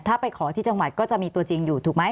ถ้าไปขอที่จังหวัดก็จะมีตัวจริงอยู่ถูกไหม